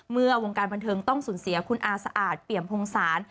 เมื่อวงการบันเทิงต้องสูญเสียคุณอาสะอาดเปี่ยมพงศาล